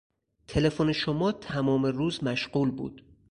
تلفن شما تمام روز مشغول بود.